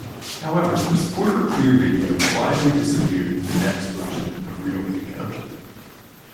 However, support for ClearVideo quietly disappeared in the next version of RealVideo.